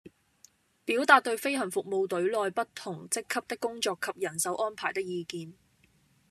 表達對飛行服務隊內不同職級的工作及人手安排的意見